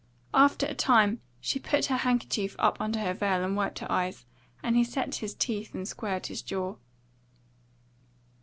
After a time she put her handkerchief up under her veil and wiped her eyes, and he set his teeth and squared his jaw.